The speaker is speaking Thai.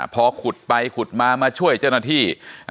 พอขุดไปขุดมามาช่วยเจ้าหน้าที่